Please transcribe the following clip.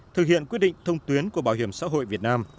thực hiện quyết định thông tuyến của bảo hiểm xã hội việt nam